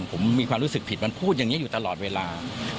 ผมมีความรู้สึกผิดมันพูดอย่างนี้อยู่ตลอดเวลา